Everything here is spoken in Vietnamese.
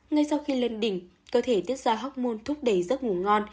ngay sau khi lên đỉnh cơ thể tiết ra học môn thúc đẩy giấc ngủ ngon